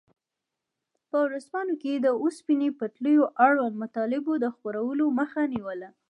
په ورځپاڼو کې د اوسپنې پټلیو اړوند مطالبو د خپرولو مخه نیوله.